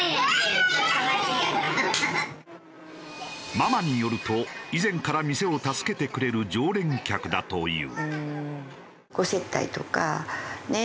ママによると以前から店を助けてくれる常連客だという。